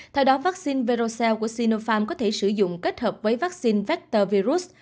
theo đó vaccine verocel của sinopharm có thể sử dụng kết hợp với vaccine vector virus